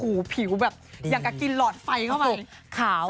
โอ้โหผิวแบบอย่างกับกินหลอดไฟเข้าไปขาว